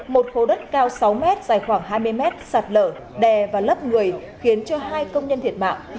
một khu đất cao sáu m dài khoảng hai mươi m sạt lở đè và lấp người khiến cho hai công nhân thiệt mạng